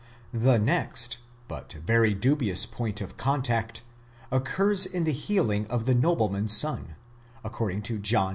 The next, but very dubious point of contact, occurs in the healing of the nobleman's son, according to John iv.